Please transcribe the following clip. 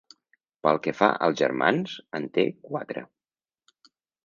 Pel que fa als germans, en té quatre.